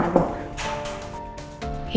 eh rena sini dulu